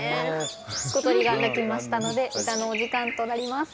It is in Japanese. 小鳥が鳴きましたので歌のお時間となります。